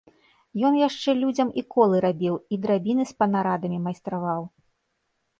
Ён яшчэ людзям і колы рабіў, і драбіны з панарадамі майстраваў.